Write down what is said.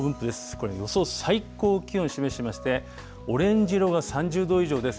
これ、予想最高気温を示していまして、オレンジ色が３０度以上です。